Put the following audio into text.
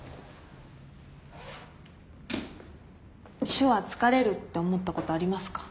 手話疲れるって思ったことありますか？